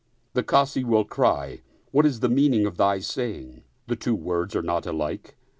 The Kazi will cry. What is the meaning of thy saying, The two words are not alike?